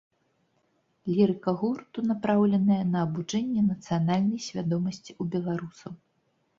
Лірыка гурту напраўленая на абуджэнне нацыянальнай свядомасці ў беларусаў.